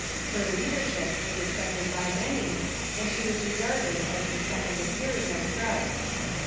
Iler lead ership was accepted by man}', and she was regarded as the second appearing of Christ.